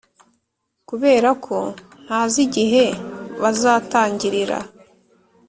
kuberako ntazi igihe bazatangirira.